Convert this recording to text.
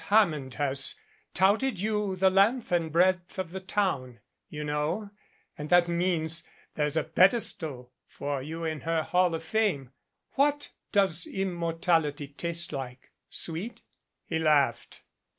Hammond has touted you the length and breadth of the town you know and that means there's a pedestal for you in her Hall of Fame. What does Immortality taste like? Sweet?" He laughed.